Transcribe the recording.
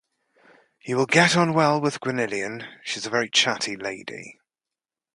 You will get on well with Gwenllian; she's a very chatty lady.